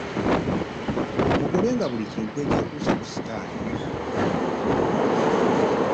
Mugobenga buli kintu ekyekuusa ku sitaani.